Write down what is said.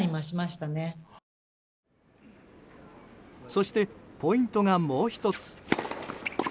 そして、ポイントがもう１つ。